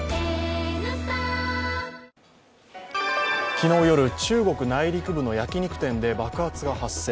昨日夜、中国内陸部の焼き肉店で爆発が発生。